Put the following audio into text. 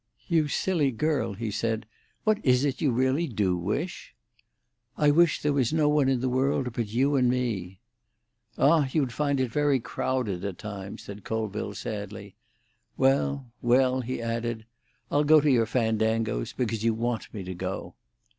"You silly girl," he said. "What is it you really do wish?" "I wish there was no one in the world but you and me." "Ah, you'd find it very crowded at times," said Colville sadly. "Well, well," he added, "I'll go to your fandangoes, because you want me to go."